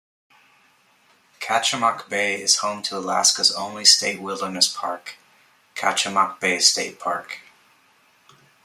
Kachemak Bay is home to Alaska's only state wilderness park, Kachemak Bay State Park.